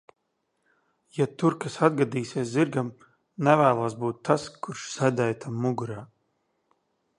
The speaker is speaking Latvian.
Ja tur kas atgadīsies zirgam, nevēlos būt tas, kurš sēdēja tam mugurā.